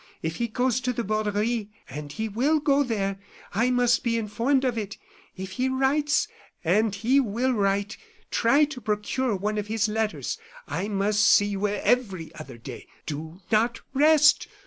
If he goes to the Borderie, and he will go there, I must be informed of it. If he writes, and he will write, try to procure one of his letters. I must see you every other day. Do not rest!